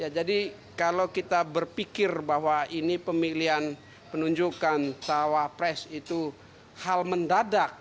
jadi kalau kita berpikir bahwa ini pemilihan penunjukan cawa pres itu hal mendadak